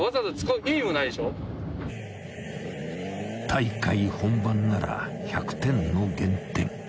［大会本番なら１００点の減点］